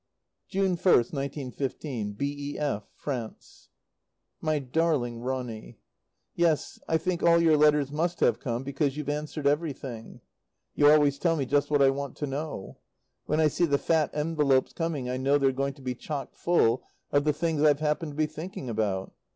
June 1st, 1915. B.E.F., FRANCE. My Darling Ronny, Yes, I think all your letters must have come, because you've answered everything. You always tell me just what I want to know. When I see the fat envelopes coming I know they're going to be chock full of the things I've happened to be thinking about.